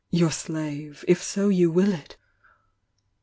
"Your slave!— if so you will it!